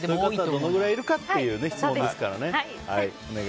どのくらいいるかっていう質問ですからね。